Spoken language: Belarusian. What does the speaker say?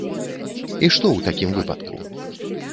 І што ў такім выпадку?